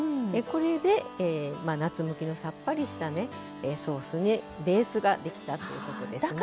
これで夏向きのさっぱりしたねソースベースが出来たということですね。